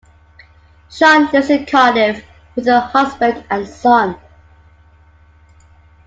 Sian lives in Cardiff with her husband and son.